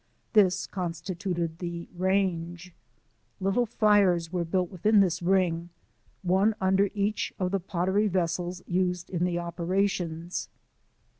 This constituted the range. Little fires were built within this ring, one under each of the pottery vessels used in the operations.